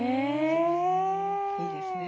いいですね。